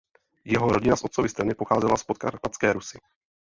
Jeho rodina z otcovy strany pocházela z Podkarpatské Rusi.